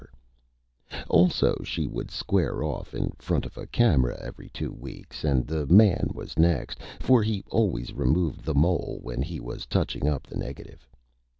[Illustration: THE MIDGET] Also, She would square off in front of a Camera every Two Weeks, and the Man was Next, for he always removed the Mole when he was touching up the Negative.